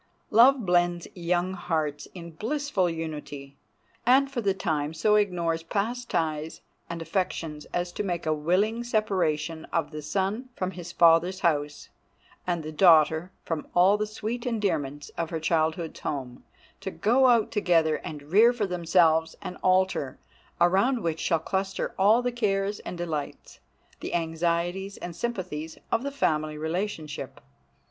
Love blends young hearts in blissful unity, and for the time so ignores past ties and affections as to make a willing separation of the son from his father's house, and the daughter from all the sweet endearments of her childhood's home, to go out together and rear for themselves an altar, around which shall cluster all the cares and delights, the anxieties and sympathies of the family relationship.